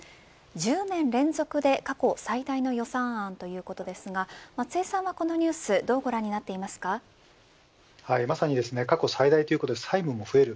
１０年連続で過去最大の予算案ということですが松江さんはこのニュースまさに過去最大ということで債務も増えます。